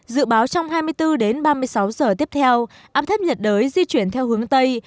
dự báo trong hai mươi bốn đến ba mươi sáu giờ tiếp theo áp thấp nhiệt đới di chuyển theo hướng tây